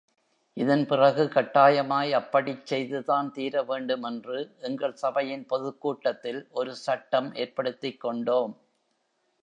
இதன் பிறகு கட்டாயமாய் அப்படிச் செய்துதான் தீர வேண்டுமென்று எங்கள் சபையின் பொதுக்கூட்டத்தில் ஒரு சட்டம் ஏற்படுத்திக் கொண்டோம்.